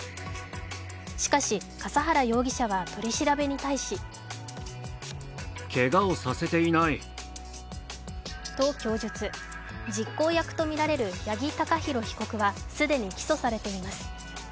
しかし、笠原容疑者は取り調べに対しと、供述。実行役とみられる八木貴寛被告は既に起訴されています。